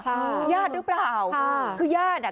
พุทธพ๗๔ผู้หญิงที่เข้าไปเเหล่าใคร